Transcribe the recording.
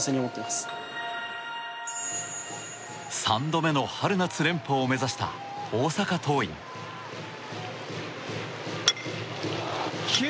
３度目の春夏連覇を目指した大阪桐蔭。